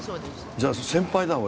じゃあ先輩だ俺。